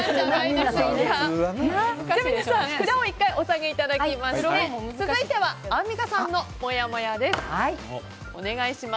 皆さん札を１回お下げいただきまして続いてはアンミカさんのもやもやです。